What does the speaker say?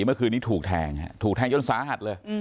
เมื่อคืนนี้ถูกแทงถูกแทงจนสาหัสเลย